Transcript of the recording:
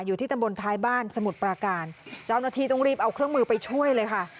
อยู่ที่ตำบลท้ายบ้านสมุทรปราการเจ้าหน้าที่ต้องรีบเอาเครื่องมือไปช่วยเลยค่ะ